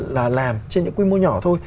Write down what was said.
là làm trên những quy mô nhỏ thôi